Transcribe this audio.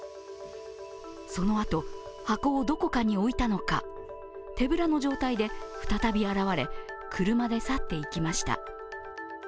その後、箱をどこかに置いたのか手ぶらの状態で再び現れ、車で去っていきました。